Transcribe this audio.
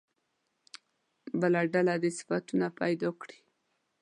بله ډله دې صفتونه پیدا کړي.